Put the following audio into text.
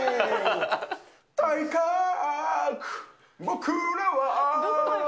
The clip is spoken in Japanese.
体格、僕らは。